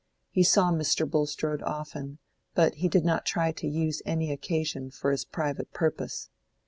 He saw Mr. Bulstrode often, but he did not try to use any occasion for his private purpose.